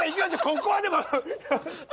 ここはでも。